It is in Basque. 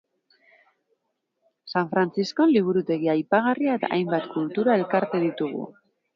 San Frantziskon liburutegi aipagarria eta hainbat kultura elkarte ditugu.